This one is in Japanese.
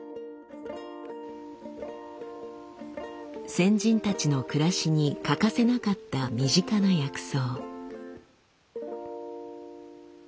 先人たちの暮らしに欠かせなかった身近な薬草。